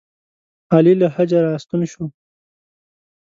علي له حجه راستون شو.